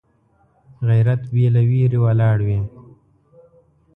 غیرت بې له ویرې ولاړ وي